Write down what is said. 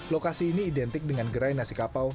lokasi ini identik dengan gerai nasi kapau